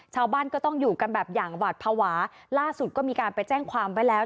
ชาวบ้านก็ต้องอยู่กันแบบอย่างหวาดภาวะล่าสุดก็มีการไปแจ้งความไว้แล้ว